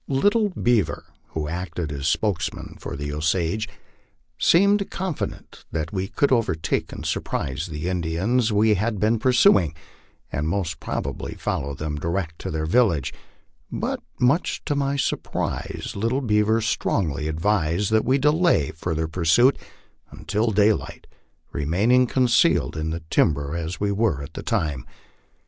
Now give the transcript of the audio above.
" Lit tle Beaver," who acted as spokesman for the Osages, seemed confident that we could overtake and surprise the Indians we had been pursuing, and most prob ably follow them direct to their village ; but, much to my surprise, Little Bea ver strongly advised that we delay further pursuit until daylight, remaining concealed in the timber as we were at the time.